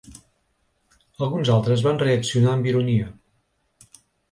Alguns altres van reaccionar amb ironia.